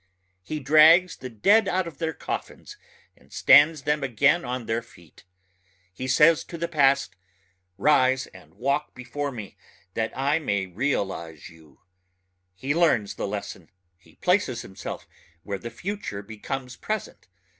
He drags the dead out of their coffins and stands them again on their feet ... he says to the past, Rise and walk before me that I may realize you. He learns the lesson ... he places himself where the future becomes present.